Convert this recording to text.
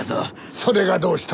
それがどうした？